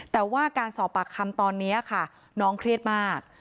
แต่ว่าการสอบปากคำตอนนี้ค่ะน้องเครียดมาก